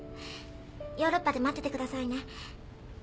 ヨーロッパで待っててくださいね。